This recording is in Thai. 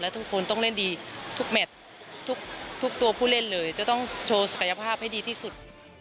ทุกคนต้องเล่นดีทุกแมททุกตัวผู้เล่นเลยจะต้องโชว์ศักยภาพให้ดีที่สุด